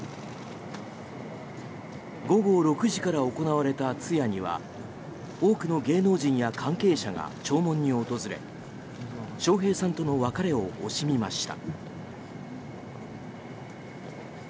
午後６時から行われた通夜には多くの芸能人や関係者が弔問に訪れ笑瓶さんとの別れを惜しみました。